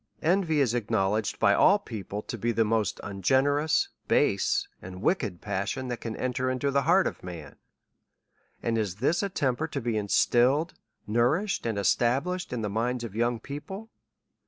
Envy is acknowledged by all people, to be the most ungenerous, base, and wicked passion, that can enter into the heart of a man. , And is this a temper to be instilled, nourished, and established in the minds of young people